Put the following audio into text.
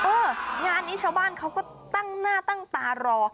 งานนี้ชาวบ้านเขาก็ตั้งหน้าตั้งตารอ